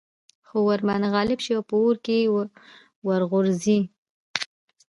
خو ورباندي غالب شي او په اور كي ورغورځي